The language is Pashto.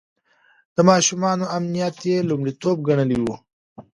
د ماشومانو امنيت يې لومړيتوب ګڼلی و.